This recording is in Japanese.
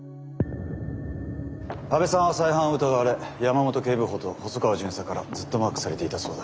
阿部さんは再犯を疑われ山本警部補と細川巡査からずっとマークされていたそうだ。